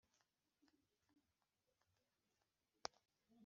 Umutungo w Urugaga ukoreshwa gusa mu kuzuza